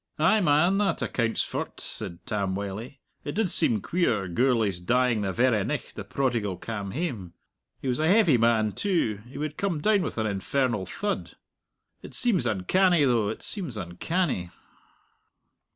"Ay, man! That accounts for't," said Tam Wylie. "It did seem queer Gourlay's dying the verra nicht the prodigal cam hame. He was a heavy man too; he would come down with an infernal thud. It seems uncanny, though, it seems uncanny."